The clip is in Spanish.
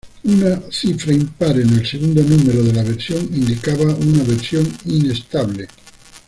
Una cifra impar en el segundo número de la versión indicaba una versión inestable.